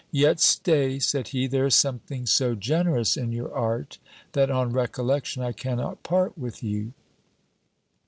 "Yet stay," said he, "there is something so generous in your art, that, on recollection, I cannot part with you."